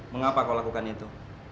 mengapa kau lakukan itu